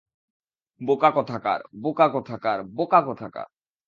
বোকা কোথাকার, বোকা কোথাকার, বোকা কোথাকার!